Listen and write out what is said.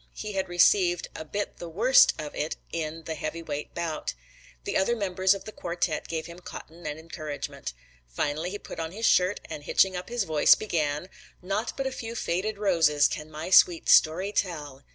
He had received a bit the worst of it in the heavyweight bout. The other members of the quartet gave him cotton and encouragement. Finally he put on his shirt and hitching up his voice, began, "Naught but a few faded roses can my sweet story tell."